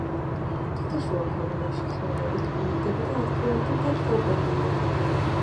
მთათაშუა ქვაბულებში ხეობები განივრდება და ადგილ-ადგილ დაჭაობებულია.